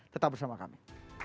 tetap bersama kami